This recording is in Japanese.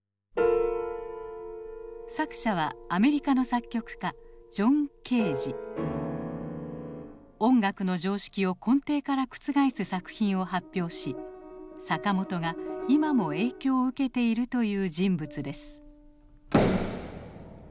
作者はアメリカの作曲家音楽の常識を根底から覆す作品を発表し坂本が今も影響を受けているという人物です。